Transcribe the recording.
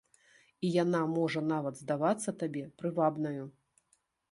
І яна можа нават здавацца табе прывабнаю.